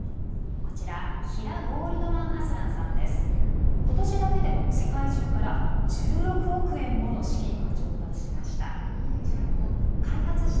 ことしだけでも、世界中から１６億円もの資金を調達しました。